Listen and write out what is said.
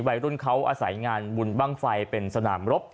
วัยรุ่นเขาอาศัยงานบุญบ้างไฟเป็นสนามรบ